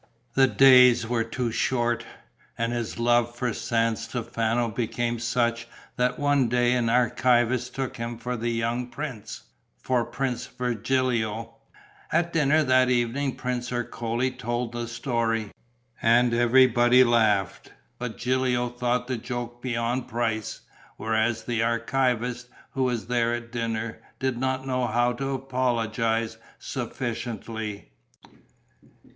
The days were too short. And his love for San Stefano became such that one day an archivist took him for the young prince, for Prince Virgilio. At dinner that evening Prince Ercole told the story. And everybody laughed, but Gilio thought the joke beyond price, whereas the archivist, who was there at dinner, did not know how to apologize sufficiently.